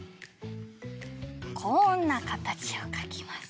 こんなかたちをかきます。